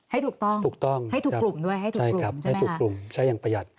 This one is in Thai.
ให้ถูกต้องให้ถูกกลุ่มด้วยใช่ไหมคะใช่ครับให้ถูกกลุ่มใช้อย่างประหยัด